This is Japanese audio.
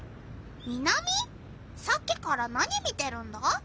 さっきから何見てるんだ？